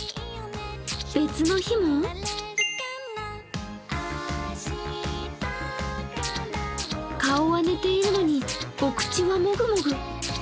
別の日も顔は寝ているのにお口はもぐもぐ。